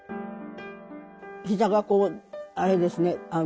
ひざがこうあれですね